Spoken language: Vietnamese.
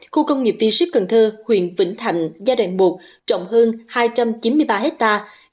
khu công nghiệp v ship cần thơ huyện vĩnh thạnh gia đoạn một trọng hơn hai trăm chín mươi ba hectare